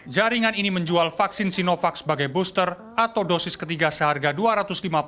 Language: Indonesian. jaringan ini menjual vaksin sinovac sebagai booster atau dosis ketiga seharusnya